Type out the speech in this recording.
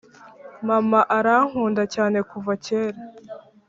mama arankunda cyane kuva kera